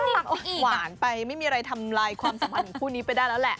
หวานไปไม่มีอะไรทำลายความสัมพันธ์ของคู่นี้ไปได้แล้วแหละ